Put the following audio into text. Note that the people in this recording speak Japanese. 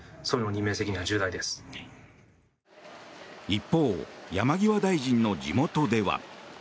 一方、山際大臣の地元では。